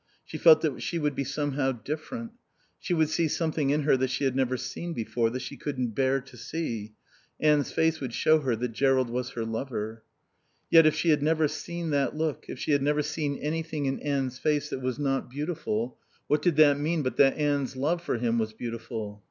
She felt that she would be somehow different. She would see something in her that she had never seen before, that she couldn't bear to see. Anne's face would show her that Jerrold was her lover. Yet, if she had never seen that look, if she had never seen anything in Anne's face that was not beautiful, what did that mean but that Anne's love for him was beautiful?